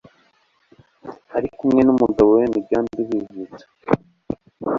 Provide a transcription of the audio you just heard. arikumwe n'umugabo we Migambi bihuta